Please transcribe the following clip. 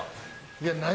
いや何？